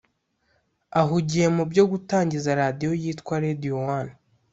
ahugiye mu byo gutangiza Radio yitwa Radio One